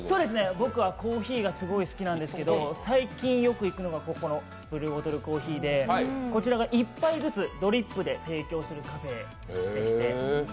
僕はコーヒーがすごく好きなんですけど、最近、よく行くのがここのブルーボトルコーヒーでこちらが１杯ずつドリップで提供するカフェでして。